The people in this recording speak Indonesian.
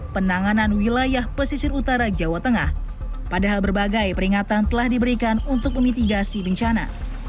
penanganan wilayah pesisir utara jawa tengah padahal berbagai peringatan telah diberikan untuk memitigasi bencana